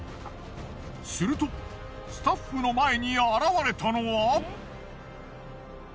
するとスタッフの前に現れたのは。